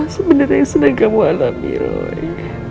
apa sebenarnya yang sedang kamu alami roy